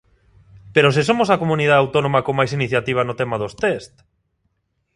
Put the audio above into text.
¡Pero se somos a comunidade autónoma con máis iniciativa no tema dos tests!